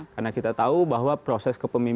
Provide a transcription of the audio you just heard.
karena kita tahu bahwa proses kepemimpinan